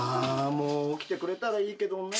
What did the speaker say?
もう起きてくれたらいいけどね